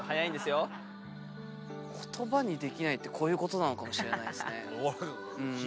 ことばにできないって、こういうことなのかもしれないですね。